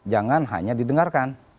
jangan hanya didengarkan